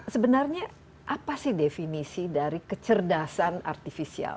sebenarnya apa sih definisi dari kecerdasan artifisial